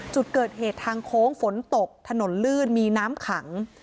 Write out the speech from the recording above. จุดเกิดเหตุทางโค้งฝนตกถนนลื่นมีน้ำขัง